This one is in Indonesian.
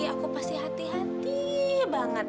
aku pasti hati hati banget